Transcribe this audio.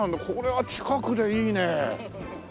これは近くでいいね。